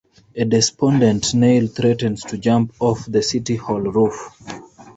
A despondent Neil threatens to jump off the City Hall roof.